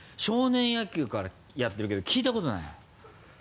少年野球からやってるけど聞いたことない。